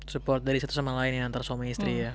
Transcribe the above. support dari satu sama lain ya antara suami istri ya